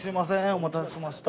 お待たせしました